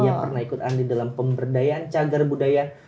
yang pernah ikut andil dalam pemberdayaan cagar budaya